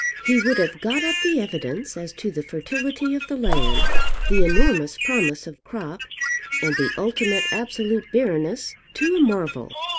He would have got up the evidence as to the fertility of the land, the enormous promise of crop, and the ultimate absolute barrenness, to a marvel.